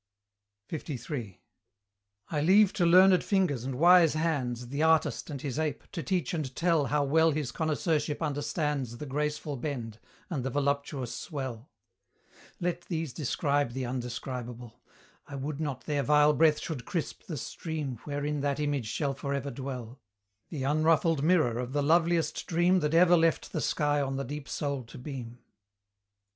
LIII. I leave to learned fingers, and wise hands, The artist and his ape, to teach and tell How well his connoisseurship understands The graceful bend, and the voluptuous swell: Let these describe the undescribable: I would not their vile breath should crisp the stream Wherein that image shall for ever dwell; The unruffled mirror of the loveliest dream That ever left the sky on the deep soul to beam.